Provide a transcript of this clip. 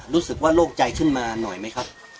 รู้สึกว่าโล่งใจขึ้นมาหน่อยไหมครับ